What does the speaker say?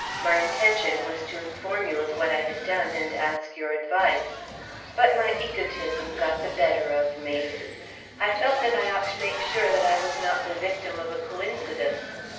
"My intention was to inform you of what I had done and ask your advice. But my egotism got the better of me. I felt that I ought to make sure that I was not the victim of a coincidence.